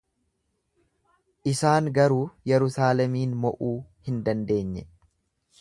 Isaan garuu Yerusaalemiin mo'uu hin dandeenye.